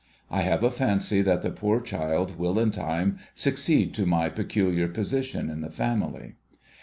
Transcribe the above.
I have a fancy that the poor child will in time succeed to my peculiar position in the family.